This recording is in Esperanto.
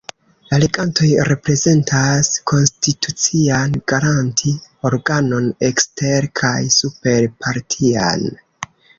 La regantoj reprezentas konstitucian garanti-organon ekster- kaj super-partian.